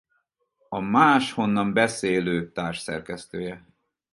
A Máshonnan Beszélő társszerkesztője.